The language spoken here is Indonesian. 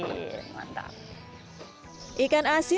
ikan asin dapat tahan lama selama berapa hari